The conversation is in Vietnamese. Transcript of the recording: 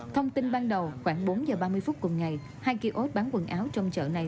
thông tin ban đầu khoảng bốn h ba mươi phút cùng ngày hai kia ốt bán quần áo trong chợ này